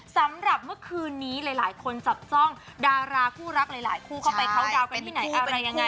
สำหรับเมื่อคืนนี้หลายคนจับจ้องดาราคู่รักหลายคู่เข้าไปเขาดาวนกันที่ไหนอะไรยังไง